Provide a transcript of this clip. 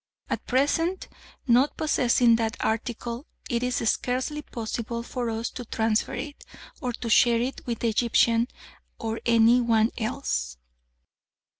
At present, not possessing that article, it is scarcely possible for us to transfer it to or share it with the Egyptian or any one else.